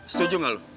setuju gak lu